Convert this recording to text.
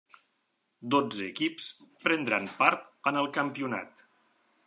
Dotze equips prendran part en el campionat.